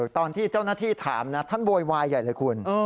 ตอนที่เจ้าหน้าที่ถามนะท่านโวยวายใหญ่เลยคุณ